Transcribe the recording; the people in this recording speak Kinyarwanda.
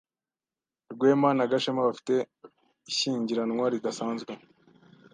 Rwema na Gashema bafite ishyingiranwa ridasanzwe.